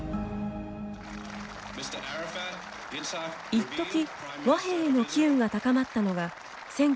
一時和平への機運が高まったのが１９９３年。